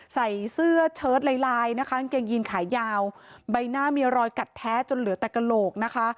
ใส่เสื้อเชิดลายลายนะคะกางเกงยีนขายาวใบหน้ามีรอยกัดแท้จนเหลือแต่กระโหลกนะคะ